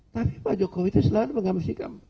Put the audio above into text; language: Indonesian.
tapi pak jokowi itu selalu mengaminkan